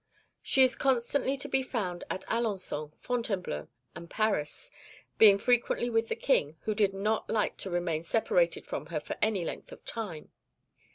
She is constantly to be found at Alençon, Fontainebleau, and Paris, being frequently with the King, who did not like to remain separated from her for any length of time.